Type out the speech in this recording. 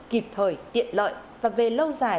kịp thời tiện lợi và về lâu dài